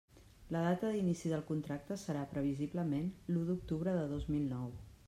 La data d'inici del contracte serà, previsiblement, l'u d'octubre de dos mil nou.